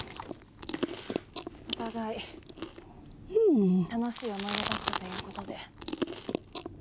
お互い楽しい思い出だったということで。